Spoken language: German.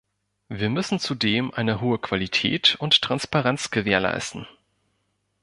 Wir müssen zudem eine hohe Qualität und Transparenz gewährleisten.